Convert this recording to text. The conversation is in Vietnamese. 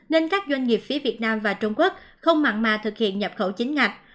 nên các doanh nghiệp phía việt nam và trung quốc không mặn mà thực hiện nhập khẩu chính ngạch